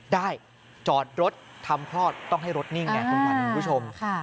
ได้จอดรถทำคลอดต้องให้รถนิ่งไงคุณขวัญคุณผู้ชม